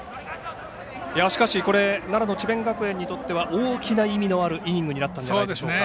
しかしこれ、奈良の智弁学園にとって大きな意味のあるイニングになったのではないでしょうか。